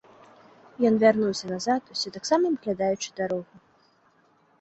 Ён вярнуўся назад, усё таксама абглядаючы дарогу.